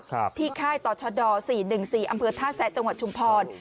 ที่ค่ายต่อชะดอสี่หนึ่งสี่อำเภอท่าแซะจังหวัดชุมพร